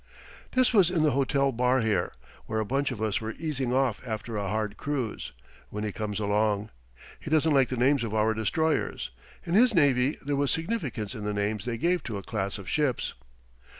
This was in the hotel bar here, where a bunch of us were easing off after a hard cruise, when he comes along. He doesn't like the names of our destroyers. In his navy there was significance in the names they gave to a class of ships.